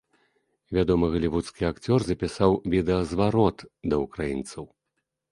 Вядомы галівудскі акцёр запісаў відэазварот да ўкраінцаў.